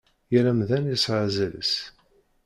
Yal amdan yesɛa azal-is.